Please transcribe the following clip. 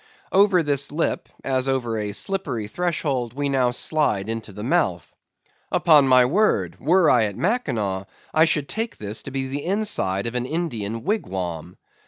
Over this lip, as over a slippery threshold, we now slide into the mouth. Upon my word were I at Mackinaw, I should take this to be the inside of an Indian wigwam.